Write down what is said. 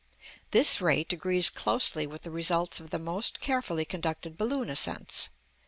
This rate agrees closely with the results of the most carefully conducted balloon ascents.